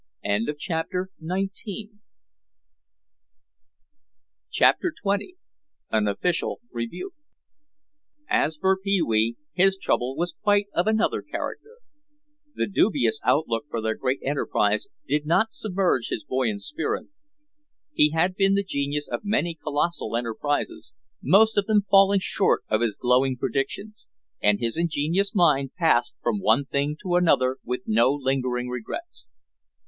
CHAPTER XX AN OFFICIAL REBUKE As for Pee wee, his trouble was quite of another character. The dubious outlook for their great enterprise did not submerge his buoyant spirit. He had been the genius of many colossal enterprises, most of them falling short of his glowing predictions, and his ingenious mind passed from one thing to another with no lingering regrets.